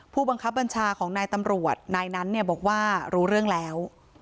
ผู้บังคับบัญชาของนายตำรวจนายนั้นเนี่ยบอกว่ารู้เรื่องแล้ว